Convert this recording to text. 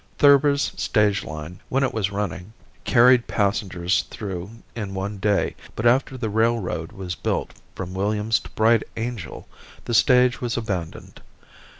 Thurber's stage line, when it was running, carried passengers through in one day, but after the railroad was built from Williams to Bright Angel the stage was abandoned.